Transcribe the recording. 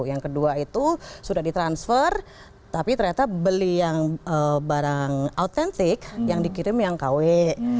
yang kedua itu sudah ditransfer tapi ternyata beli yang barang autentik yang dikirim yang kw